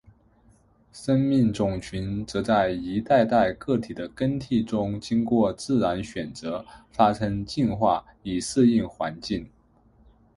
生命种群则在一代代个体的更替中经过自然选择发生进化以适应环境。